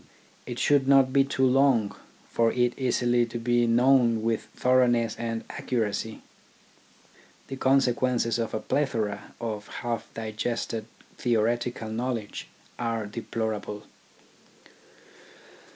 It should not be too long for it easily to be known with thoroughness and accuracy. The consequences of a plethora of half digested theoretical knowledge are deplor able.